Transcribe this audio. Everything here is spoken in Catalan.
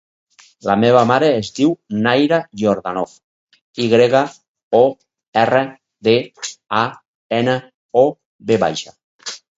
La meva mare es diu Naira Yordanov: i grega, o, erra, de, a, ena, o, ve baixa.